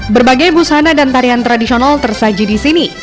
berbagai busana dan tarian tradisional tersaji di sini